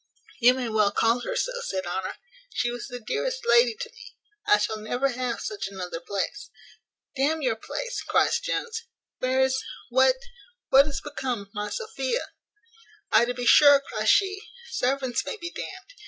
"You may well call her so," said Honour; "she was the dearest lady to me. I shall never have such another place." "D n your place!" cries Jones; "where is what what is become of my Sophia?" "Ay, to be sure," cries she, "servants may be d n'd.